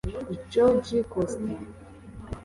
Jorge Costa